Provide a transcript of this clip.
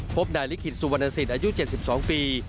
พบนายลิขิตสุวรรณสิทธิ์อายุ๗๒ปี